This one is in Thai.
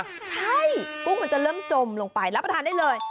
ใช่กุ้งมันจะเริ่มจมลงไปรับประทานได้เลย